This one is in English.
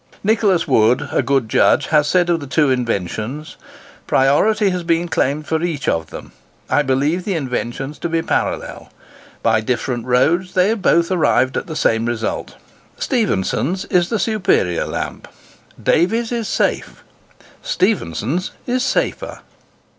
Nicholas Wood, a good judge, has said of the two inventions, "Priority has been claimed for each of them—I believe the inventions to be parallel. By different roads they both arrived at the same result. Stephenson's is the superior lamp. Davy's is safe—Stephenson's is safer."